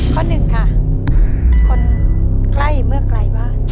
หนึ่งค่ะคนใกล้เมื่อไกลบ้าน